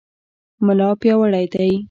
ملا پیاوړی دی.